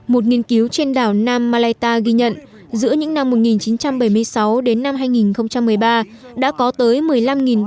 một nghiên cứu trên đảo nam malaita ghi nhận giữa những năm một nghìn chín trăm bảy mươi sáu đến năm hai nghìn một mươi ba đã có tới một mươi năm bốn trăm linh con cá heo bị giết chết